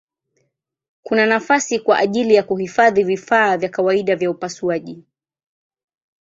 Kuna nafasi kwa ajili ya kuhifadhi vifaa vya kawaida vya upasuaji.